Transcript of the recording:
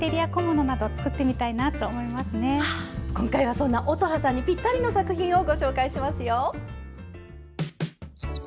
今回はそんな乙葉さんにぴったりの作品をご紹介しますよ！